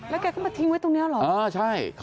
แล้วแกเขามาทิ้งไว้ตรงนี้เหรอเออใช่